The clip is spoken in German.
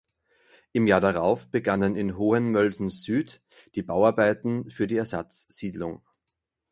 Im Jahr darauf begannen in Hohenmölsen-Süd die Bauarbeiten für die Ersatz-Siedlung.